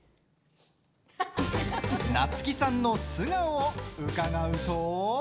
夏木さんの素顔を伺うと。